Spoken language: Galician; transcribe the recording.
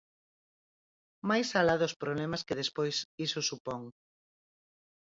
Máis alá dos problemas que despois iso supón.